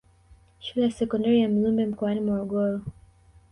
Shule ya sekondari ya Mzumbe mkoani Morogoro